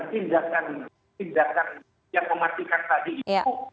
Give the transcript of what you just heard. tindakan tindakan yang mematikan tadi itu